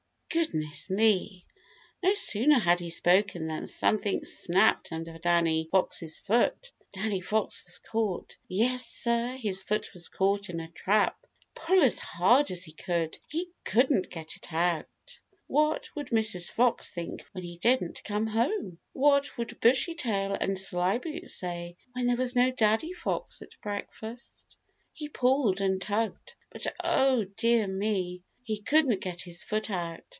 Goodness me! No sooner had he spoken than something snapped under Danny Fox's foot. Danny Fox was caught. Yes, sir, his foot was caught in a trap. Pull as hard as he could, he couldn't get it out. What would Mrs. Fox think when he didn't come home? What would Bushytail and Slyboots say when there was no Daddy Fox at breakfast? He pulled and tugged. But, oh dear me. He couldn't get his foot out.